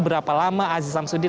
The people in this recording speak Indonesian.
berapa lama aziz sabzudin